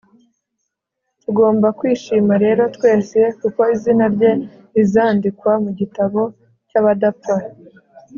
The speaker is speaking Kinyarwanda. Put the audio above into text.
tugomba kwishima rero twese kuko izina rye rizandikwa mu gitabo cy'abadapfa